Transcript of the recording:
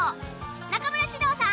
中村獅童さん